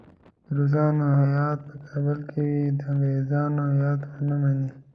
د روسانو هیات په کابل کې وي د انګریزانو هیات ونه مني.